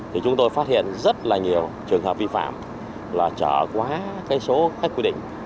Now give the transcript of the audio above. thì chúng tôi phát hiện rất là nhiều trường hợp vi phạm là trở quá cái số khách quy định